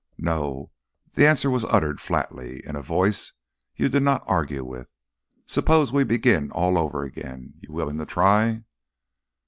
"No." The answer was uttered flatly, in a voice you did not argue with. "Suppose we begin all over again. You willing to try?"